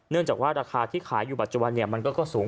เนื่องจากว่าราคาที่ขายอยู่ปัจจุบัน